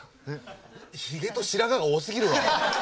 ひげと白髪が多すぎるわ！